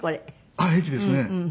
あっ駅ですね。